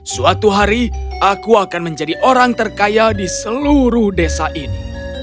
suatu hari aku akan menjadi orang terkaya di seluruh desa ini